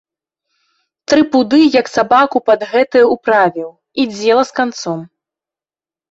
Тры пуды як сабаку пад гэтае ўправіў, і дзела з канцом.